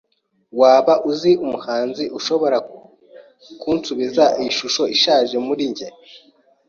Waba uzi umuhanzi ushobora kunsubiza iyi shusho ishaje kuri njye?